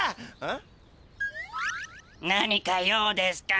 何か用ですか？